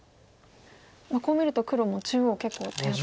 こう見ると黒も中央結構手厚い形で。